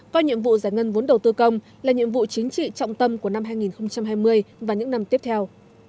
coi nhiệm vụ giải ngân vốn đầu tư công là nhiệm vụ chính trị trọng tâm của năm hai nghìn hai mươi và những năm tiếp theo